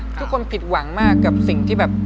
ทุกคนผิดหวังมากกับสิ่งที่แบบ